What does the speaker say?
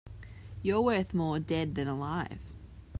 You're worth more dead than alive.